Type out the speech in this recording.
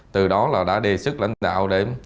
từ đó là đã đề sức lãnh đạo để